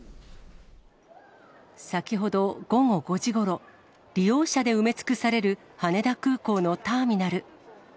先ほど午後５時ごろ、利用者で埋め尽くされる羽田空港のターミナル。